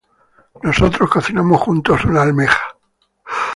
Nosotros cocinamos juntos una almeja.